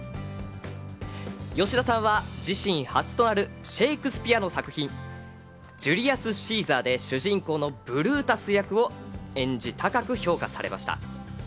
吉田さんは自身初となるシェイクスピアの作品、『ジュリアス・シーザー』で主人公のブルータス役を演じて高く評価されました。